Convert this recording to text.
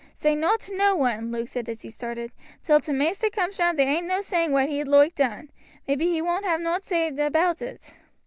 "Say nowt to no one," Luke said as he started. "Till t' master cooms round there ain't no saying what he'd loike done. Maybe he won't have nowt said aboot it."